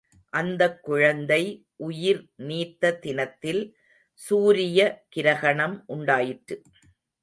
அந்தக் குழந்தை உயிர் நீத்த தினத்தில், சூரிய கிரஹணம் உண்டாயிற்று.